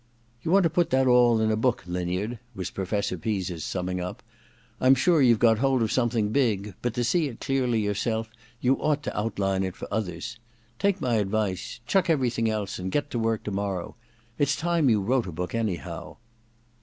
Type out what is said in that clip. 'You want to put that all in a book, Linyard,' was Professor Pease's summing up on hearing of his friend's projected work. 'I'm sure you Ve got hold of something big ; but to see it clearly yourself you ought to outline it for others. Take my advice — chuck everything else and get to work to morrow. It's time you wrote a oook, anyhow.